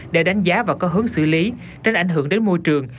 để đánh giá và có hướng xử lý tránh ảnh hưởng đến môi trường